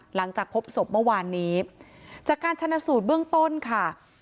หลังจากพบศพเมื่อวานนี้จากการชนะสูตรเบื้องต้นค่ะ